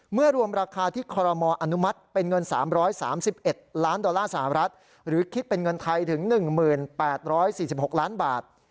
เมื่อรวมราคาที่คอรมออนุมัติเป็นเงิน๓๓๑ล้านดอลลาร์สหรัฐหรือคิดเป็นเงินไทยถึง๑๘๔๖ล้านบาท